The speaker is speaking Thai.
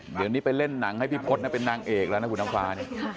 เดี๋ยวอันนี้ไปเล่นหนังให้พี่พล็น่ะเป็นนางเอกนะคุณน้ำฟ้า